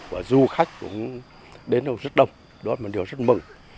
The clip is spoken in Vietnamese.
và du khách cũng đến rất đông đó là một điều rất mừng